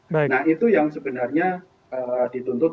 nah itu yang sebenarnya dituntut